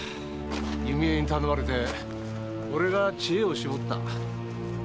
弓枝に頼まれて俺が知恵を絞った。